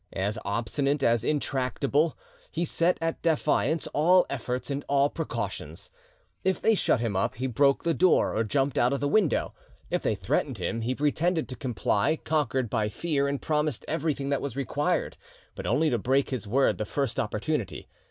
As obstinate as intractable, he set at defiance all efforts and all precautions. If they shut him up, he broke the door or jumped out of the window; if they threatened him, he pretended to comply, conquered by fear, and promised everything that was required, but only to break his word the first opportunity.